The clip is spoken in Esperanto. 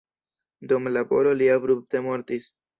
Dum laboro li abrupte mortis.